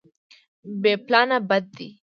بې پلانه بد دی.